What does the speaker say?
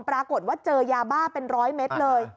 ปรากฏว่าเจอยาบ้าเป็นร้อยเมตรเลย